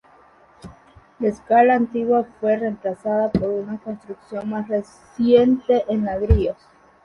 La escalera antigua fue reemplazada por una construcción más reciente en ladrillo.